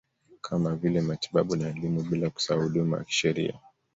Kama vile matibabu na elimu bila kusahau huduma ya kisheria